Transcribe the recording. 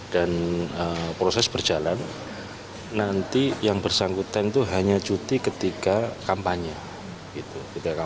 dan proses berjalan nanti yang bersangkutan itu hanya cuti ketika kampanye